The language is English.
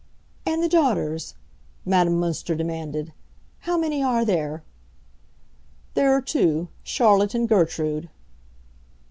"And the daughters?" Madame Münster demanded. "How many are there?" "There are two, Charlotte and Gertrude."